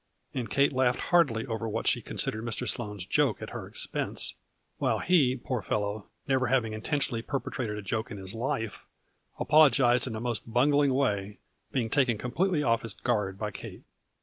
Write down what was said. And Kate laughed heartily over what she considered Mr. Sloane's joke at her expense, while he, poor fellow, never having intentionally perpetrated a joke in his life, apologized in a most bungling way, being taken completely off his guard by Kate.